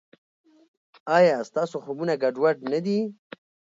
ایا ستاسو خوبونه ګډوډ نه دي؟